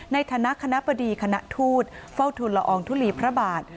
ในฐานะคณะบดีคณะทูตเฝ้าทุนละอองทุลีพระบาท